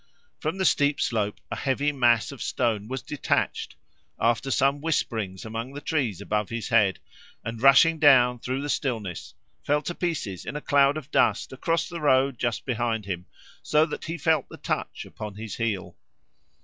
From the steep slope a heavy mass of stone was detached, after some whisperings among the trees above his head, and rushing down through the stillness fell to pieces in a cloud of dust across the road just behind him, so that he felt the touch upon his heel.